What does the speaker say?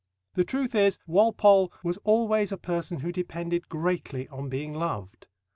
The truth is, Walpole was always a person who depended greatly on being loved.